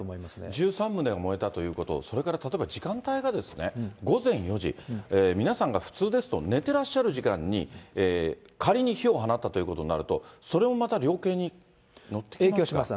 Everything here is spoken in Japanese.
１３棟が燃えたということ、それから例えば時間帯が午前４時、皆さんが普通ですと、寝てらっしゃる時間に仮に火を放ったということになると、それもまた量刑にのってきますか？